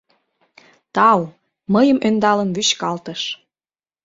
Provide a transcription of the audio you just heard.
Тау! — мыйым ӧндалын вӱчкалтыш.